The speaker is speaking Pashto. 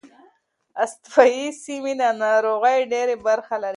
استوايي سیمې د ناروغۍ ډېره برخه لري.